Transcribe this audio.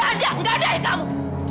gajah gajahin kamu